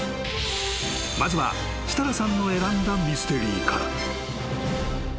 ［まずは設楽さんの選んだミステリーから］